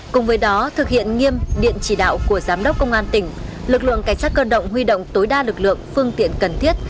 cùng với đó thực hiện nghiêm điện chỉ đạo của giám đốc công an tỉnh lực lượng cảnh sát cơ động huy động tối đa lực lượng phương tiện cần thiết